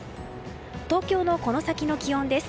東京のこの先の気温です。